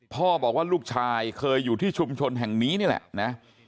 บอกว่าลูกชายเคยอยู่ที่ชุมชนแห่งนี้นี่แหละนะ